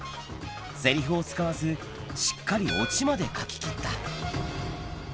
セリフを使わず、しっかり落ちまで描き切った。